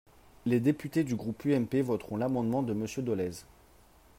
Les députés du groupe UMP voteront l’amendement de Monsieur Dolez.